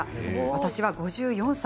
私は５４歳。